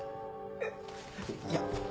えっいや。